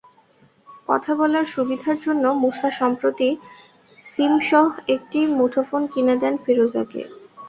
কথা বলার সুবিধার জন্য মুসা সম্প্রতি সিমসহ একটি মুঠোফোন কিনে দেন ফিরোজাকে।